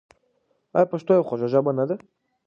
آیا پښتو یوه خوږه ژبه نه ده؟